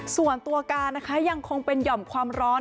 ส่วนตัวการนะคะยังคงเป็นหย่อมความร้อน